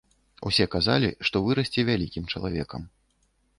Усе казалі, што вырасце вялікім чалавекам.